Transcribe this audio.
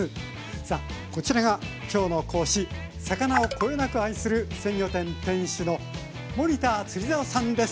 さあこちらが今日の講師魚をこよなく愛する鮮魚店店主のどうも！